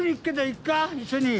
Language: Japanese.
一緒に。